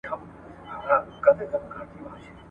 شاګردان په خپل منځ کي بحث کوي.